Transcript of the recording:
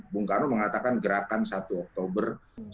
bung karno mengatakan gerakan satu oktober seribu sembilan ratus enam puluh lima